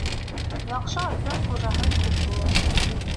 Яҡшы аттың хужаһы күп була.